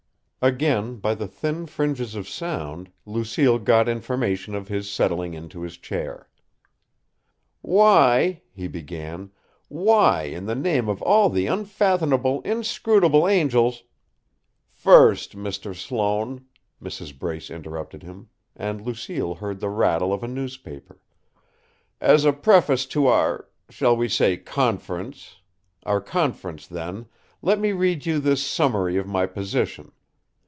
Again by the thin fringes of sound, Lucille got information of his settling into his chair. "Why," he began; "why, in the name of all the unfathomable, inscrutable angels " "First, Mr. Sloane," Mrs. Brace interrupted him and Lucille heard the rattle of a newspaper; "as a preface to our shall we say conference? our conference, then, let me read you this summary of my position.